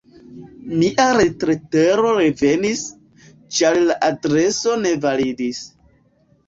Mia retletero revenis, ĉar la adreso ne validis.